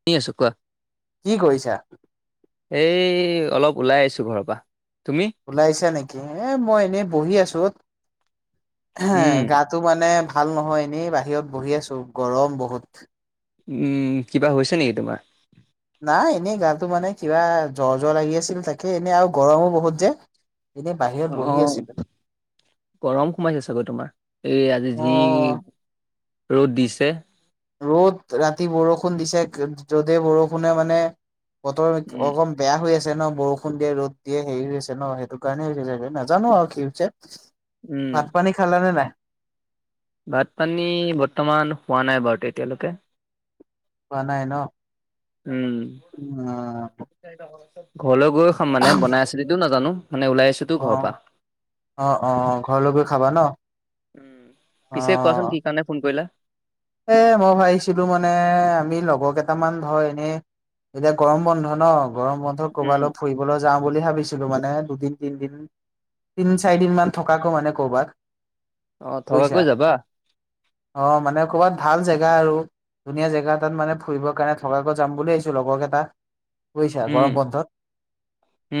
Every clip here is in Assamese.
শুনি আছো কোৱা কি কৰিছা এই অলপ ওলাই আহিছো ঘৰৰ পৰা। তুমি ওলাইছা নেকি এ মই এনেই বহি আছো। হে উম গাটো মানে ভাল নহয় এনেই বাহিৰত বহি আছো গৰম বহুত উম কিবা হৈছে নেকি তোমাৰ নাই এনেই গাটো মানে কিবা জ্বৰ জ্বৰ লাগি আছিল তাকে এনে আৰু গৰমো বহুত যে এনেই বাহিৰত অ বহি আছিলো গৰম সোমাইছে গৈ তোমাৰ এই আজি অ যি ৰ'দ দিছে ৰ'দ ৰাতি বৰষুণ দিছে য'দ বৰষুণে মানে অত উম অকন বেয়া হৈ আছে ন বৰষুণ দিয়ে ৰ'দ দিয়ে হেৰি হৈছে ন সেইটো কাৰণে হৈছে নাজানো আৰু কিতো উম ভাত পানী খালানে নাই। ভাত পানী বৰ্তমান হোৱা নাই বাৰু এতিয়ালৈকে। হোৱা নাই ন উম উম ঘৰলৈ গৈ খাম মানে বনাই আছে যদিও নাজানো। মানে ওলাই আহিছোতো অ ঘৰৰ পৰা অ অ ঘৰলৈ গৈ খাবা ন অ', পিছে কোৱাচোন কি কাৰণে ফোন কৰিলা। এ মই ভাবিছিলো মানে আমি লগৰ কেইটামান ধৰ এনেই এতিয়া গৰম বন্ধ ন গৰম বন্ধ উম কৰ'বালৈ ফুৰিবলৈ যাম। বুলি ভাবিছিলো মানে দুদিন তিনদিন তিন চাৰি দিন মান থকাকো মানে কৰ'বাত অ বুজিছা থকাকৈ যাবা। অ মানে ক'ৰবাত ভাল জেগা আৰু ধুনীয়া জেগা তাত মানে ফুৰিবৰ কাৰণে থকাকৈ যাম বুলি আহিছো লগৰ এটা বুজিছা উম গৰম বন্ধত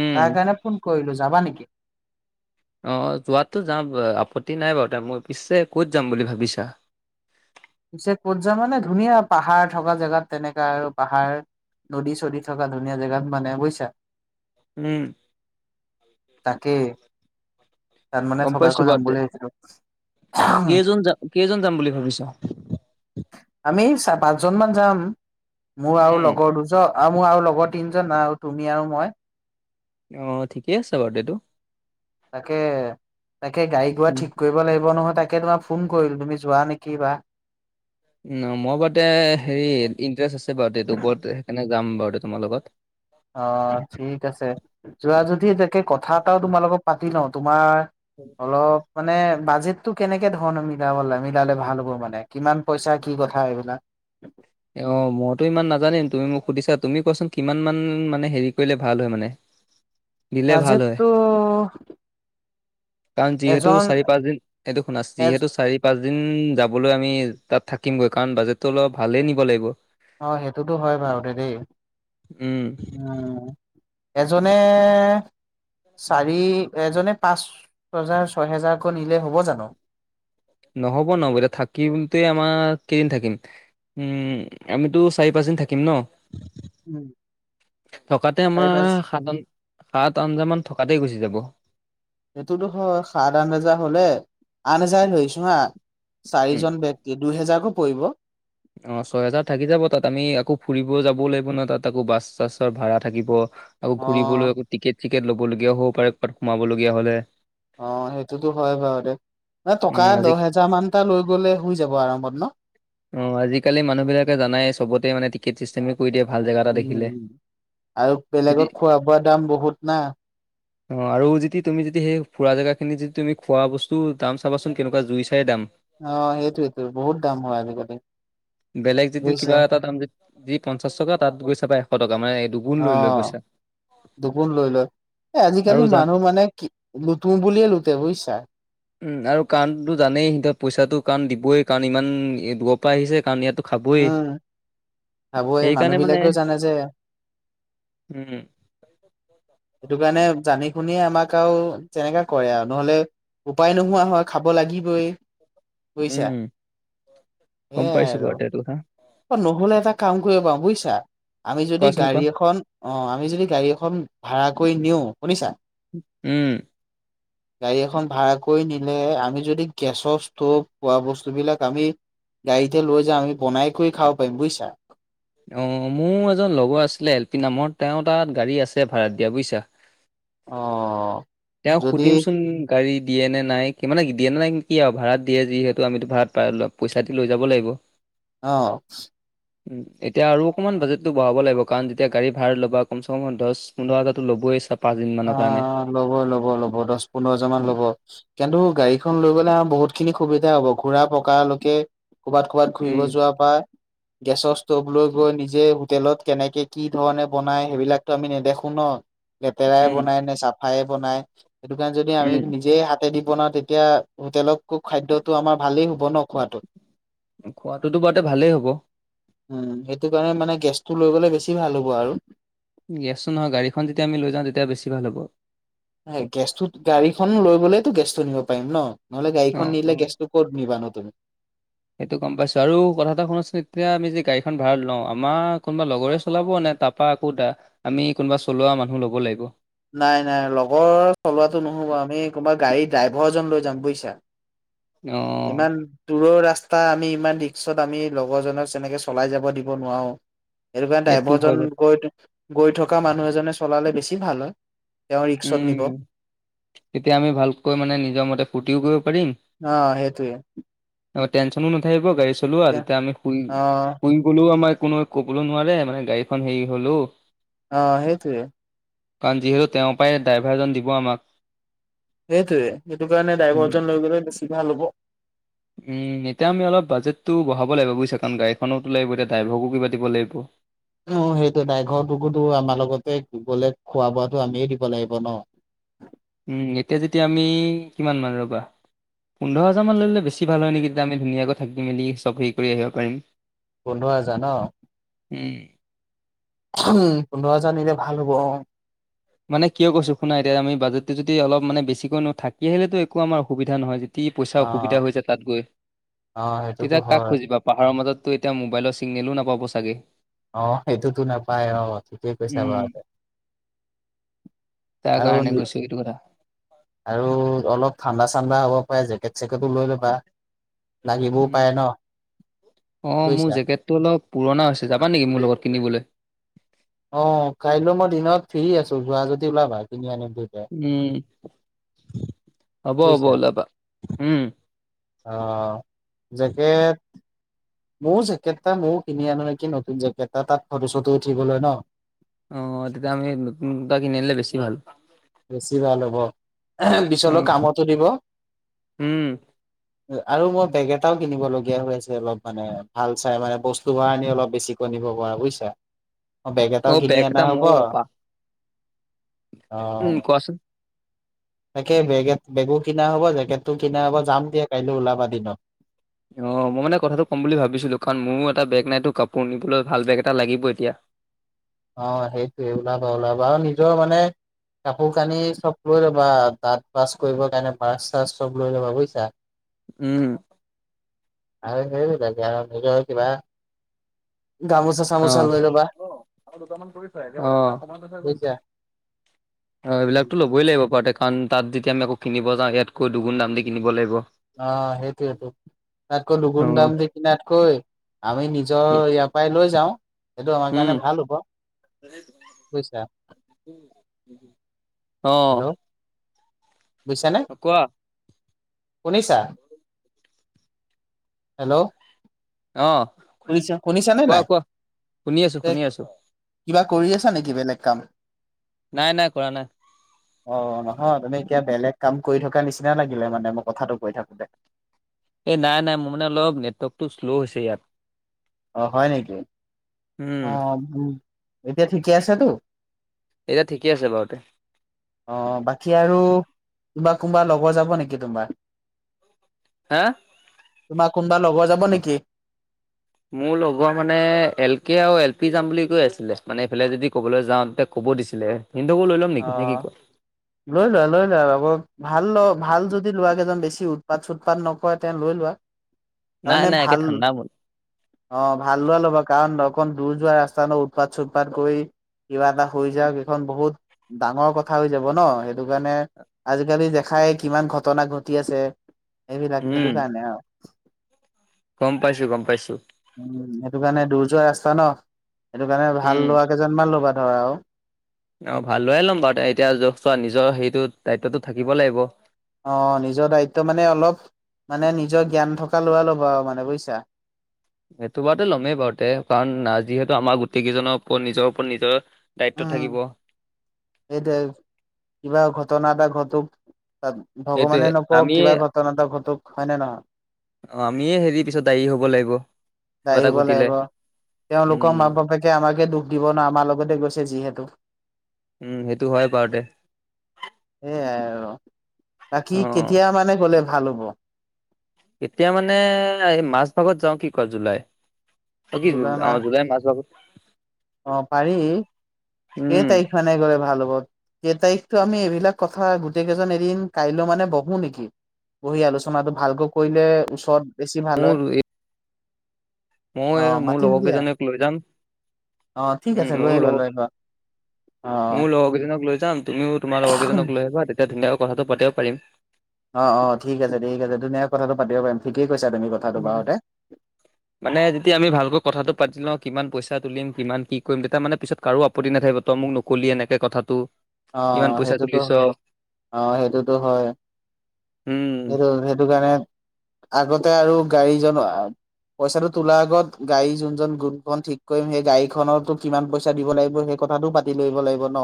উম তাৰ কাৰণে ফোন কৰিলো। যাবা নেকি। অ যোৱাততো যাম আপত্তি নাই বাৰু মই পিছে ক'ত যাম বুলি ভাবিছা। পিছে ক'ত য মানে ধুনীয়া পাহাৰ থকা জেগাত তেনেকা আৰু পাহাৰ। নদী চদী থকা ধুনীয়া জেগাত মানে বুইছা উম তাকেই তাত মানে গম পাইছো থকাকৈ যাম বাৰু বুলি ভাবিছিলো কেইজন যা কেইজন যাম বুলি ভাবিছা? আমি পাঁচজন মান যাম মোৰ আৰু উম লগৰ দুজন আৰু মোৰ আৰু লগৰ তিনজন আৰু তুমি আৰু মই অ ঠিকেই আছে বাৰ্থডেটো তাকে তাকে গাড়ী ঘোৱা ঠিক কৰিব লাগিব নহয় তাক তাকে তোমাক ফোন কৰিল তুমি যোৱা নেকি বা মই বাৰ্থডে তো হেৰি ইণ্টাৰেষ্ট আছে বাৰ্থডে তো ওপৰত সেইকাৰণে যাম বাৰু তোমাৰ লগত অ ঠিক আছে যোৱা যদি তাকে কথা এটাও তোমাৰ লগত পাতি লওঁ তোমাৰ অলপ মানে বাজেটো কেনেকে ধৰণৰ মিলাব মিলালে ভাল হ'ব মানে কিমান পইচা কি কথা এইবিলাক অ মইতো ইমান নাজানিম তুমি মোক সুধিছা তুমি কোৱাচোন কিমান মান মানে হেৰি কৰিলে ভাল হয় মানে দিলে ভাল হয় বাজেটটো কাৰণ যিহেতু এজন চাৰি পাঁচ দিন এইটো শুনা এ যিহেতু চাৰি পাঁচদিন ওম যাবলৈ আমি তাত থাকিমগৈ কাৰণ বাজেটটো অলপ ভালেই নিব লাগিব অ সেইটোতো হয় বাৰু দেই উম উম এজনে এ চাৰি এজনে পাঁচ হাজাৰ ছহেজাৰকৈ নিলে হ'ব জানো নহ'ব না এতিয়া থাকিমতো আমাৰ কেইদিন থাকিম উম আমিতো চাৰি পাঁচদিন থাকিম ন উম থকাতে চাৰি আমাৰ পাঁচ সাত আ সাত মান থকাতে গুচি যাব সেইটোতো হয় সাত আঠ হাজাৰ হলে আঠ হাজাৰ লৈছো হা উম চাৰিজন ব্যক্তি দুই হেজাৰকে পৰিব অ ছয় হেজাৰ থাকি যাব তাত আমি আকৌ ফুৰিব যাবও লাগিব ন তাত আকৌ বাছ চাছৰ ভাড়া থাকিব আকৌ অ ঘূৰিবলৈ আকৌ টিকেট চিকেট লবলগীয়াও হ'ব পাৰে কবাত সোমাবলগীয়া হলে অ সেইটোতো হয় বাৰু দে মই উম টকা আজি দহ হেজাৰ মানটা লৈ গ'লে হৈ যাব আৰামত ন অ আজিকালি মানুহবিলাকে জানাই চবতে মানে টিকেট চিষ্টেম উম আৰু যদি বেলেগত খোৱা -বোৱাৰ দাম বহুত না? অ আৰু যদি তুমি যদি সেই ফুৰা জেগা নিজেই যে তুমি খোৱা বস্তু দাম চাবাচোন কেনেকুৱা জুই চাই দাম অ সেইটোয়েটো বহুত দাম হয় আজিকালি। বেলেগ যদি কিবা বুজিছা এটা দাম যদি পঞ্চাশ টকা তাত গৈ চাবা এশ টকা মানে দুগুণ লৈ লয় পইচা দুগুন লৈ লয় এই আৰু আজিকালি জান মানুহ মানে কি লুতো বুলিয়ে লুতে বুজিছা উম আৰু কাৰণতো জানেই পইচাটো কাৰণ দিবই কাৰণ ইমান দূৰৰ পৰা আহিছে কাৰণ ইয়াতো খাবই। উম আগুৱাই সেইকাৰণে মানে মানুহবিলাকেও জানে যে উম সেইটো কাৰণে জানি শুনে আমাক আৰু যেনেকুৱা কৰে আৰু নহ'লে উপায় নোহোৱা হয় খাব লাগিবই বুজিছা উম এ গম পাইছো আৰু বাৰু তে এইটো কথা নহ'লে এটা কাম কৰিবা বুজিছা আমি যদি কোৱাচোন কোৱা। গাড়ী এখন অ আমি যদি গাড়ী এখন ভাড়া কৰি নিওঁ শুনিছা উম গাড়ী এখন ভাড়াকৈ নিলে আমি যদি গেছৰ ষ্টভ খোৱা বস্তুবিলাক আমি গাড়ীতে লৈ যাম আমি বনাই কৰি খাব পাৰিম বুজিছা অ মোৰ এজন লগৰ আছিলে এল পি নামৰ তেওঁ তাত গাড়ী আছে ভাড়াত দিয়া বুজিছা অ তেওঁক যদি সুধিমচোন গাড়ী দিয়ে নে নাই কি মানে দিয়ে নে নাই কি আৰু ভা়ৰাত দিয়ে যিহেতু আমিতো ভাড়া পা -পইচা দি লৈ যাব লাগিব। অ। উম এতিয়া আৰু অকণমান বাজেটটো বঢ়াব লাগিব কাৰণ যেতিয়া গাড়ী ভাৰা লবই কমচে কম দশ -পোন্ধৰ হাজাৰটো ল'বই চা পাঁচদিন অ মানৰ কাৰণে ল'ব ল'ব ল'ব দশ পোন্ধৰজন মান উম ল'ব কিন্তু গাড়ীখন লৈ গলে আৰু বহুত খিনি সুবিধা হ'ব, ঘুৰা পকালৈকে কৰবাত ক'ৰবাত ঘুৰিব উম যোৱাৰ পৰা গেছৰ ষ্টভ লৈ গৈ নিজে হোটেলত কেনেকে কি ধৰণে বনাই সেইবিলাকো আমি নেদেখো ন? লেতেৰাই উম বনাই নে চাফাই বনাই সেইটো কাৰণে যদি আমি উম নিজে হা তাতে দি বনাও তেতিয়া হোটেলতো খাদ্যটো আমাৰ ভালেই হ'ব ন খোৱাটো। খোৱাটো ত বাৰুতে ভালেই হ'ব। উম সেইটো কাৰণে মানে গেছটো লৈ গলে বেছি ভাল হ'ব আৰু। গেছো নহয় গাড়ীখন যেতিয়া আমি লৈ যাওঁ তেতিয়া বেছি ভাল হ'ব। গেছটোত গাড়ীখন লৈ গলেতো গেছটো নিব পাৰিম ন? নহ'লে অ গাড়ীখন অ, নিলে গেছটো ক'ত নিবানো তুমি। সেইটো গম পাইছো আৰু কথা এটা শুনাচোন এতিয়া আমি যে গাড়ীখন ভাড়াত লওঁ, আমাৰ কোনোবা লগৰে চলাব নে তাৰপা আকৌ দা আমি কোনোবা চলোৱা মানুহ ল'ব লাগিব। নাই নাই লগৰ চলোৱাটো নহ'ব আমি কোনোবা গাড়ী ড্ৰাইভৰজন লৈ যাম বুজিছা? অ ইমান দূৰৰ ৰাস টা আমি ইমান ৰিক্সত আমি লগৰজনক তেনেকে চলাই যাব দিব নোৱাৰো। সেইটো কাৰনে সেইটো হয় ড্ৰাইভাৰজন বাৰু গৈ গৈ থকা মানুহ এজনে চলালে বেছি ভাল হয়। তেওঁ ৰিক্সত নিব। উম, তেতিয়া আমি ভালকৈ মানে নিজৰ মতে ফূৰ্তিও কৰিব পাৰিম অ সেইটোৱে। টেনশ্যনো নাথাকিব গাড়ী চলোৱা অ', তেতিয়া আমি শুই শুই গলেও আমাৰ কোনো ক'বলৈ নোৱাৰে মানে গাড়ীখন হেৰি হলো অ সেইটোৱে। কাৰণ যিহেতু তেওঁ পাই ড্ৰাইভাৰজন দিব আমাক। সেইটোৱে সেইটো কাৰণে উম ড্ৰাইভাৰজন লৈ গলে বেছি ভাল হ'ব। উম, এতিয়া আমি অলপ বাজেটটো বঢ়াব লাগিব বুইছা কাৰণ গাড়ীখনতো লাগিব, এতিয়া ড্ৰাইভাৰকো কিবা দিব লাগিব। অ সেইটোৱে ডাইভৰটোকোটো আমাৰ লগতে গলে খোৱা-বোৱাটো আমিয়ে দিব লাগিব ন? [unintelligible] উম, এতিয়া যেতিয়া আমি কিমান মান ৰ'বা। পোন্ধৰ হেজাৰ মান লৈ ললে বেছি ভাল হয় নেকি। তেতিয়া আমি ধুনীয়াকৈ থাকি মেলি চব হেৰি কৰি আহিব পাৰিম। পোন্ধৰ হাজাৰ ন। উম। উম পোন্ধৰ হাজাৰ নিলে ভাল হ'ব অ। মানে কিয় কৈছো শুনা এতিয়া আমি বাজেতটো যদি অলপ মানে বেছিকৈ থাকি আহিলেতো একো আমাৰ অসুবিধা নহয় কি পইচা অসুবিধা অ'। হৈ যায় তাত গৈ, অ সেইটোতো তেতিয়া কাক হয় খুজিবা পাহাৰৰ মাজত ত এতিয়া মোবাইলৰ চিগনেলো নাপাব চাগে? আহ সেইটোতো নাপায় আহ ঠিকেই কৈছা উম, বাৰতে। তাৰ কাৰণে কৈছোঁ এইটো কথা। আৰু অলপ ঠাণ্ডা -চাণ্ডা হ'ব পাৰে জেকেট চেকটো লৈ ল'বা, লাগিবও উম, পাই ন? অ মোৰ বুজিছা জেকেটটো অলপ পুৰণা হৈছে যাবা নেকি মোৰ লগত কিনিবলৈ? অ কাইলৈ মই দিনত ফ্ৰী আছো যোৱা যদি ওলাবা কিনি আনিম। দুইটাই উম হ'ব হ'ব বুজিছা ওলাবা উম। অ জেকেট মইয়ো জেকেট এটা মইয়ো কিনি আনো নেকি নতুন জেকেট এটা তাত ফটো এটো উঠিবলে ন? অ তেতিয়া আমি নতুন দুটা কিনি আনিলে বেছি ভাল। এহেম পিছলৈ অ', কামতো দিব। উম। আৰু মই বেগ এটাও কিনিব লগীয়া হৈ আছে অলপ মানে ভাল চাই মানে বস্তু বাহানি অলপ বেছিকৈ ধৰিব পৰা বুজিছা, মই বেগ এটাও অ', কিনি এটা অনা হ'ব ময়ো পা অ উম কোৱাচোন? তাকে বেগে-বেগো কিনা হ'ব, জেকেটটো কিনা হ'ব। যাম দিয়া কাইলে ওলাবা দিনত। অ মই মানে কথাটো ক'ম বুলি ভাবিছিলোঁ। কাৰণ মোৰো এটা বেগ নাইতো, কাপোৰ নিবলৈ ভাল বেগ এটা লাগিব এতিয়া। অ সেইটোয়ে ওলাবা ওলাবা আৰু নিজৰ মানে কাপোৰ কানি চব লৈ ল'বা দাঁত বাছ কৰিব কাৰণে ৰ্বাছ চাৰাছ চব লৈ ল'বা বুজিছা। উম! আৰু [unintelligible] নিজৰ হৈ কিবা। গামোচা অ', চামোচা লৈ ল'বা। [unintelligible] অ বুজিছা [unintelligible] এইবিলাকো লবই লাগিব। ৱাদেকান তাত যেতিয়া আমি আকৌ কিনিব যাওঁ ইয়াতকৈ দুগুণ দাম দি কিনিব লাগিব। অ সেইটোয়েটো। তাতকৈ দুগুণ দাম অ', দি কিনাতকৈ আমি নিজৰ ইয়াৰ পৰাই লৈ যাওঁ। সেইটো আমাৰ উম, কাৰণে ভাল হব, বুজিছা। অ হেল্ল' বুজিছানে। কোৱা শুনিছা? হেল্ল' অ', শুছা শুনিছা নে কোৱা নাই? কোৱা শুনি আছোঁ শুনি আছোঁ। কিবা কৰি আছা নেকি বেলেগ কাম? নাই নাই কৰা নাই। অ নহয় তুমি এতিয়া বেলেগ কাম কৰি থকা নিচিনা লাগিলে মানে মই কথাটো কৈ থাকোতে। এ নাই নাই মোৰ মানে অলপ নেটৱৰ্কটো শ্ল' হৈছে ইয়াত। অ হয় নেকি উম, অ উ এতিয়া ঠিকে আছেতো। এতিয়া ঠিকে আছে বাৰু। আহ বাকী আৰু। কোনোবা কোনোবা লগৰ যাব নেকি তোমাৰ? হা তোমাৰ কোনোবা লগৰ যাব নেকি? মোৰ লগৰ মানে এল কে আৰু এল পি যাম বুলি কৈ আছিলে মানে এইফালে যদি ক'বলৈ যাওঁ তেতিয়া কব কব দিছিলে। সিহঁতকো লৈ ল'ম অ নেকি নে কি কোৱা লৈ লোৱা লৈ লোৱা আবক ভাল ল ভাল যদি লোৱা কেইজন বেছি উৎপাত চুটপাত নকৰে তেনে লৈ লোৱা। নাই তাৰমানে নাই একে ভাল ঠাণ্ডা মন অ ভাল লোৱা ল'বা কাৰণ লগ খন দূৰ যোৱা ৰাস্তা ন উৎপাত চূটপাত কৰি, কিবা এটা হৈ যাওঁক সেইখন বহুত ডাঙৰ কথা হৈ যাব ন সেইটো কাৰণে আজিকালি দেখাই কিমান ঘটনা ঘটি আছে। এইবিলাক উম সেইটো কাৰণে অহ। গম পাইছোঁ, গম পাইছোঁ। উম! সেইটো কাৰণে দূৰ যোৱা ৰাস্তা ন, সেইটো কাৰণে ভাল উম লোৱা কেইজনমান ল'বা ধৰা আও। অ ভাল লৰাইয়ে ল'ম বাৰু এতিয়া য চোৱা নিজৰ সেইটো দায়িত্বটো থাকিব লাগিব। অ নিজৰ দায়িত্ব মানে অলপ মানে নিজৰ জ্ঞান থকা ল'ৰা লবা আৰু মানে বুজিছা। সেইটো বাৰুতে ল'মেই বাৰুতে কাৰণ যিহেতু আমাৰ গোটেই কেইজনৰ ওপৰত নিজৰ ওপৰত নিজৰ দায়িত্ব উম থাকিব এইটো কিবা ঘটনা এটা ঘটুক তাত সেইটোয়ে ভগৱানে নকওঁ আমিয়ে কিবা ঘটনা এটা ঘটুক হয় নে নহয়। অ আমিয়ে হেৰি পিছত দায়ী হব লাগিব কিবা এটা দা়ৰিব ঘটিলে। লাগিব তেওঁলোকৰ উম মাক বাপেকে আমাকে দুখ দিব ন, আমাৰ লগতে গৈছে যিহেতু। উম সেইটো হয় বাৰতে। সেইয়াই আৰু বাকী কেতিয়া মানে গলে ভাল হ'ব। এতিয়া মানে এই মাছ ভাগত যাওঁ কি কয় জুলাই। জুলাই [unintelligible] অ মাহ জুলাই মাজ ভাগত। অ পাৰি কেই উম তাৰিখ মানে গ'লে ভাল হ'ব কেই তাৰিখ। ত আমি এইবিলাক কথা গোটেই কেইজন এদিন কাইলৈ মানে বহো নেকি? পঢ়ি আলোচনাটো ভালকৈ কৰিলে ওচৰত বেছি ভাল হয়। অ ময় মোৰ মাতিম লগৰ দিয়া কেইজনীক লৈ যাম। অ ঠিক আছে লৈ আহিবা লৈ আহিবা। অ ময়ো লগৰ কেইজনক লৈ যাম তুমিও তোমাৰ লগৰ কেইজনক লৈ আহিবা। তেতিয়া ধুনীয়াকৈ কথাটো পাতিব পাৰিম। অ অ ঠিক আছে ঠিক আছে ধুনীয়াকে কথাটো পাতি পাৰিমম ঠিকেই কৈছা তুমি কথাটো উম বাৰুতে মানে যেতিয়া আমি ভালকৈ কথাটো পাতি লওঁ। কিমান পইচা তুলিম কিমান কি কৰিম তেতিয়া মানে পিছত কাৰো আপতি নাথাকিব তই মোক নকললি এনেকে কথাটো। অ ইমান পইচা সেইটোতো তুলিছ অ সেইটোতো হয়। উম সেইটো সেইটো কাণে আগতে আৰু গাড়ী জনোৱা। পইচাটো তোলাৰ আগত গাড়ী যোনজন গুৰুখন ঠিক কৰিম সেই গাড়ীখনতো কিমান পইচা দিব লাগিব সেই। কথাটো পাতি লইব লাইব ন।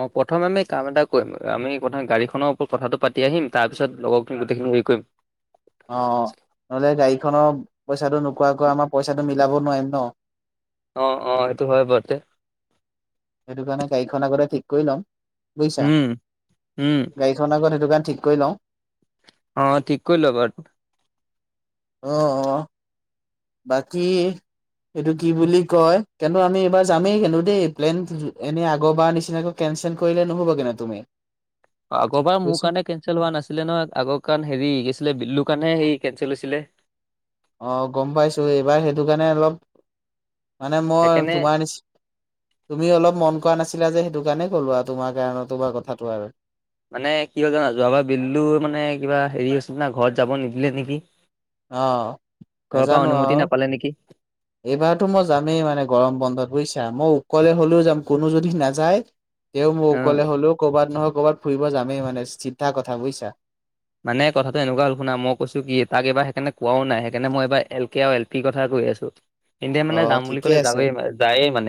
অ প্ৰথম আমি কাম এটা কৰিম আমি প্ৰথম গাড়ীখনৰ ওপৰত কথাটো পাতি আহিম তাৰ পিছত লগ গোটেইখিনি। সেই কইম। অ অ নহলে গাড়ীখনৰ পইচাটো নোকোৱাকৈ আমাৰ পইচাটো মিলাব নোৱাৰিম ন। অ অ সেইটো হয় বৰতে, হেকাণে গাড়ীখন আগতে ঠিক কৰি লম বুইছা উম উম গাড়ীখন আগতে হেতুকান ঠিক কৰি লওঁ। অ ঠিক কৰি ল'বত। অহ অহ বাকি এইটো কি বুলি কয় কিন্তু আমি এইবাৰ যামেই কিন্তু দেই প্লেন এনে আগৰবাৰ নিচিনাকৈ কেন নচেল কৰিলে নহ'ব কিন্তু তুমি আগৰ বাৰ মোৰ বুজিছা কাৰণে কেনচেল হোৱা নাছিলে নহয় আগৰ কাৰণ হেৰি কি আছিলে বিল্লো। কাৰণে সেই কেনচেল হৈছিলে। অ গম পাইছো এইবাৰ সেইটো কাৰণে অলপ। মানে মই সেইকাৰণে তোমাৰ নিচি তুমি অলপ মন কৰা নাছিলা যে সেইটো। সেটো কাৰণে কলো আৰু তোমাৰ কাৰণ তোমাৰ কথাটো আৰু। মানে কি হল যানা যোৱাবাৰ বিল্লুৰ মানে কিবা হেৰি হৈছে না ঘৰত যাব নিদিলে নিকি? অহ নাজানো আও নাপালে নেকি এইবাৰতো মই যামেই মানে গৰম বন্ধত। বুজিছা মই উকলে হলেও যাম কোনো যদি নাযায় তে মই অ উকলে হলেও কবাত নহয় ক'বাত ফুৰিব যামেই মানে চিধা কথা বুজিছা। মানে কথাটো এনেকুৱা হল শুনা মই কৈছো কি তাক এইবাৰ সেইকাণে কোৱাও নাই সেইকাণে মই এবা এল কে আৰু এল পিৰ কথাট। গৈ আছো ইন্দিয়া অ মানে যাম বুলি ঠিকেই ক'লে আছে যাওতে মান যায়ে মানে।